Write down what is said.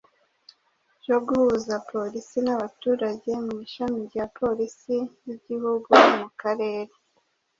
byo guhuza polisi n’abaturage mu ishami rya Polisi y’igihugu mu karere